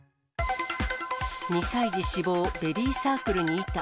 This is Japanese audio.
２歳児死亡、ベビーサークルに板。